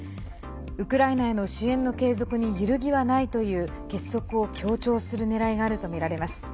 ウクライナへの支援の継続に揺るぎはないという結束を強調するねらいがあるとみられます。